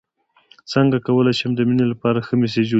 څنګه کولی شم د مینې لپاره ښه میسج ولیکم